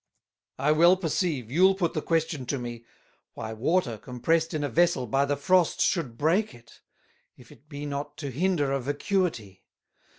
"I well perceive you'll put the question to me, Why Water compressed in a Vessel by the Frost should break it, if it be not to hinder a Vacuity?